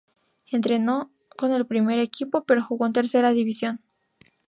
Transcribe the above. Entrenó con el primer equipo pero jugó en Tercera División.